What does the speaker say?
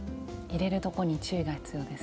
入れるとこに注意が必要ですね。